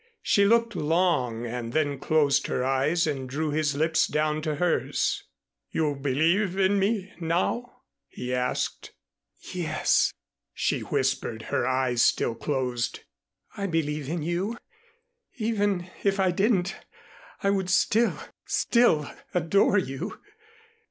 She looked long and then closed her eyes and drew his lips down to hers. "You believe in me now?" he asked. "Yes," she whispered, her eyes still closed. "I believe in you. Even if I didn't, I would still still adore you."